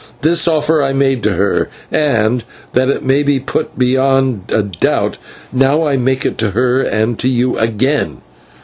This offer I made to her, and, that it may be put beyond a doubt, now I make it to her and to you again.